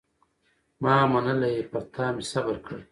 ما منلی یې پر تا مي صبر کړی